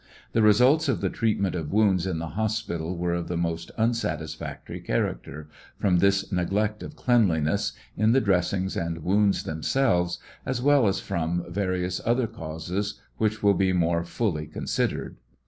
The results of the treatment of wounds in the hospital were of the most unsatisfactory character, from this neglect of cleanliness, in the dressings and wounds them selves, as well as from various other causes which will be more fully considered.